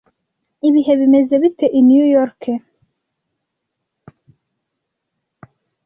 Ibihe bimeze bite i New York?